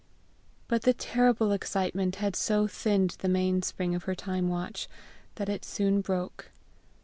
But the terrible excitement had so thinned the mainspring of her time watch, that it soon broke.